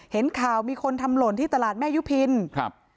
เห็นข่าวมีคนทำหล่นที่ตลาดแม่ยุพินครับ